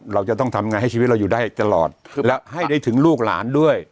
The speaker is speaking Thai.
เราจะต้องทำไงให้ชีวิตเราอยู่ได้ตลอดและให้ได้ถึงลูกหลานด้วย